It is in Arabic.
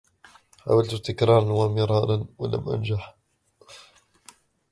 حاولت تكرارا و مرارا و لم أنجح.